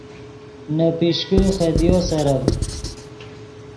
نے پیشکے خدیو سرڤد